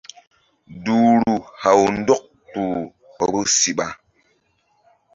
Duhru haw ndɔk kpuh vbu siɓa.